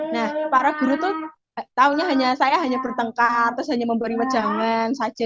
nah para guru tuh taunya saya hanya bertengkar terus hanya memberi wajangan saja